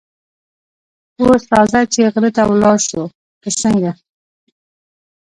اوس راځه چې غره ته ولاړ شو، که څنګه؟